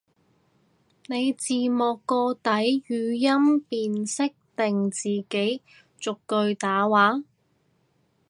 你字幕個底語音辨識定自己逐句打話？